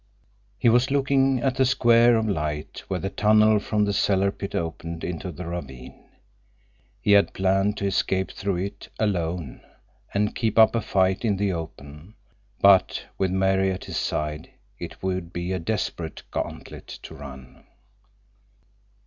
He was looking at the square of light where the tunnel from the cellar pit opened into the ravine. He had planned to escape through it—alone—and keep up a fight in the open, but with Mary at his side it would be a desperate gantlet to run.